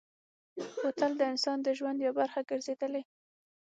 بوتل د انسان د ژوند یوه برخه ګرځېدلې.